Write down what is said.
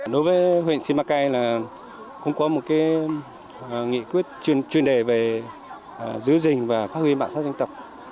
đối với huyện simacay là cũng có một nghị quyết chuyên đề về giữ rình và phát huyện bản sắc dân tộc